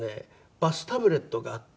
バスタブレットがあって。